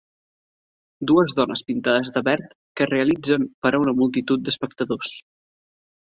Dues dones pintades de verd que realitzen per a una multitud d'espectadors.